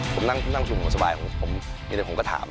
ผมนั่งประชุมสบายผมก็ถาม